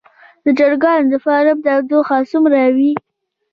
د چرګانو د فارم تودوخه څومره وي؟